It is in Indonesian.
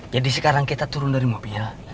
jadi sekarang kita turun dari mobil